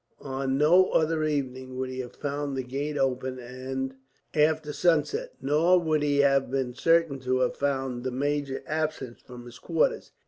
On no other evening would he have found the gate open after sunset, nor would he have been certain to have found the major absent from his quarters.